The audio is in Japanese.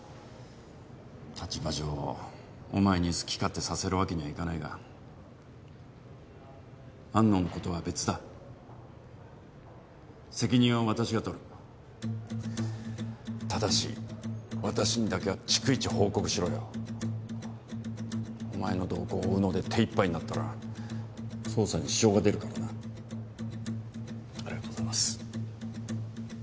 立場上お前に好き勝手させるわけにはいかないが安野のことは別だ責任は私が取るただし私にだけは逐一報告しろよお前の動向を追うので手いっぱいになったら捜査に支障が出るからなありがとうございます